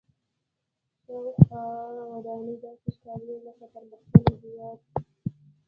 شاوخوا ودانۍ داسې ښکارېدې لکه پرمختللي هېواد.